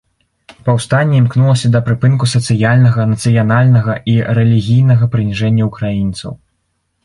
Паўстанне імкнулася да прыпынку сацыяльнага, нацыянальнага, і рэлігійнага прыніжэння ўкраінцаў.